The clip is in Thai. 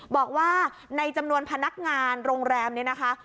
บอกว่าในจำนวนพนักงานโรงแรมนี้นะคะ